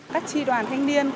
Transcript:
các tri đoàn thanh niên